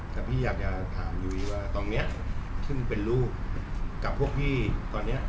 แต่พี่อยากจะถามยุ้ยว่าตอนนี้ซึ่งเป็นลูกกับพวกพี่ตอนนี้